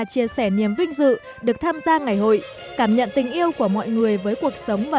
chia sẻ niềm vinh dự được tham gia ngày hội cảm nhận tình yêu của mọi người với cuộc sống và